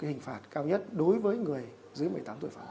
hình phạt cao nhất đối với người dưới một mươi tám tuổi phạm